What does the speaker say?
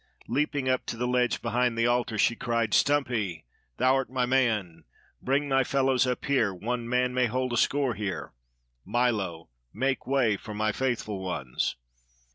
Leaping up to the ledge behind the altar, she cried: "Stumpy! Thou'rt my man. Bring thy fellows up here; one man may hold a score here. Milo! Make way for my faithful ones!"